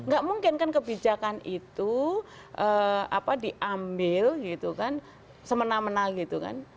gak mungkin kan kebijakan itu diambil gitu kan semena mena gitu kan